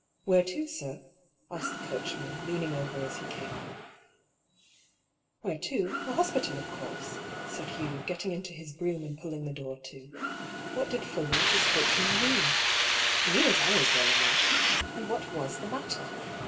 " Where to, sir ?" asked the coachman, leaning over as he came up. " Where to ? The hospital, of course," said Hugh, getting into his brougham and pulling the door to. What did Fuller, his coachman, mean ? He knew his hours well enough. And what was the matter?